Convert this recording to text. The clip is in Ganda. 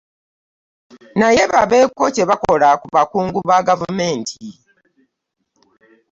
Naye babeeko kye bakola ku bakungu ba gavumenti